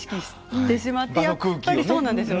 やっぱりそうなんですよ。